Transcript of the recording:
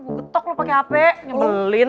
betok lu pake hape nyebelin